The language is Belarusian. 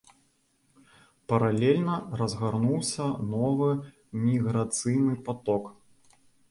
Паралельна разгарнуўся новы міграцыйны паток.